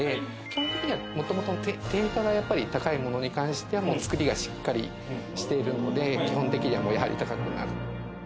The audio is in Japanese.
基本的には、元々の定価がやっぱり高いものに関しては、つくりがしっかりしているので、基本的には、やはり高くなる。